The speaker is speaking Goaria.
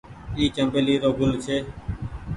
اي چمبيلي رو گل ڇي۔